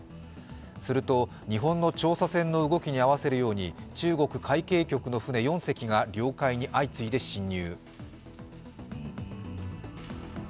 すると日本の調査船の動きに合わせるように中国海警局の船４隻が領海に相次いで侵入。